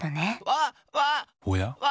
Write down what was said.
おや？